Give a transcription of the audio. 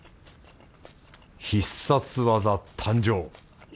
必殺技誕生！